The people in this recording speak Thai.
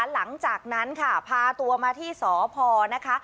หลังจากนั้นค่ะพาตัวมาที่สพนะคะ